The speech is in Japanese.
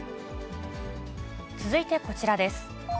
続いてこちらです。